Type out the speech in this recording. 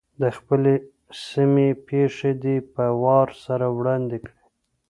د خپلې سیمې پېښې دې په وار سره وړاندي کړي.